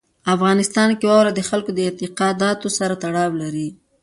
افغانستان کې واوره د خلکو د اعتقاداتو سره تړاو لري.